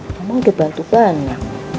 mama udah bantu banyak